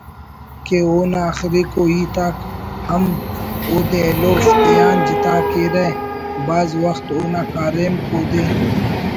کہ اونا آخریکو ہیت آک ہم اودے ایلوفتیان جتا کیرہ بھاز وخت اونا کاریمک اودے